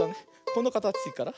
このかたちから。